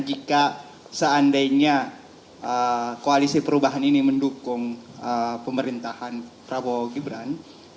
jika seandainya koalisi perubahan ini mendukung pemerintahan prabowo gibran